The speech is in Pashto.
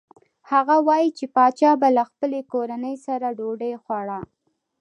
هغه وايي چې پاچا به له خپلې کورنۍ سره ډوډۍ خوړه.